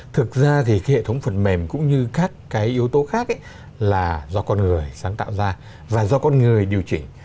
thực ra hệ thống phần mềm cũng như các yếu tố khác là do con người sáng tạo ra và điều chỉnh